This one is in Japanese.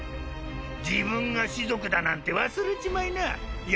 自分が士族だなんて忘れちまいな弥彦。